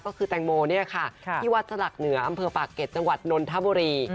ก็คือแตงโมเนี่ยค่ะที่วัดสลักเหนืออำเภอปากเก็ตจังหวัดนนทบุรี